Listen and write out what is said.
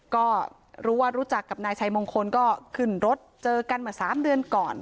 ก็รู้ว่ารู้จักกับนายชัยมงคลก็ขึ้นรถเจอกันเมื่อ๓เดือนก่อน